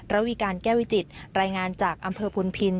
ระวีการแก้วิจิตรายงานจากอำเภอพุนพิน